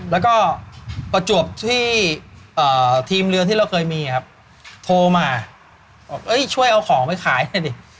แล้วก็ประจวบที่ทีมเรือที่เราเคยมีครับโทรมาบอกช่วยเอาของไปขายหน่อยดิ